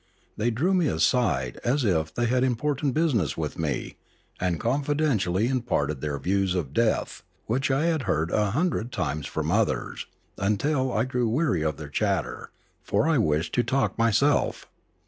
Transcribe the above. They drew me aside as if they had im portant business with me, and confidentially imparted their views of death which I had heard a hundred times from others, until I grew weary of their chatter, for I wished to talk myself.